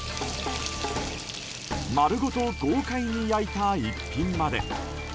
丸ごと豪快に焼いた一品まで。